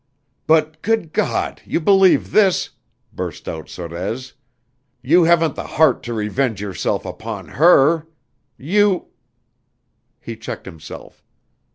"But, good God! you believe this," burst out Sorez. "You haven't the heart to revenge yourself upon her? You " He checked himself.